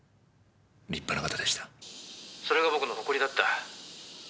「それが僕の誇りだった」